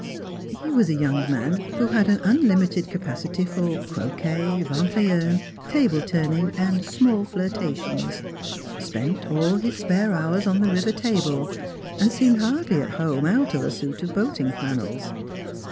He was a young man who had an unlimited capacity for croquet, vingu et un, table turning, and small flirtations ; spent all his spare hours on the river Tabor, and seemed hardly at home out of a suit of boating flannels.